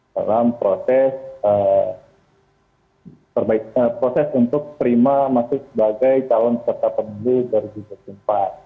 dalam proses untuk prima masuk sebagai calon pekerja pemilu tahun dua ribu empat